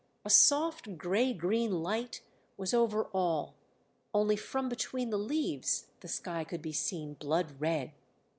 A soft grey green light was over all, only from between the leaves the sky could be seen blood red.